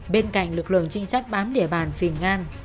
bên cạnh lực lượng trinh sát bám địa bàn phìn ngan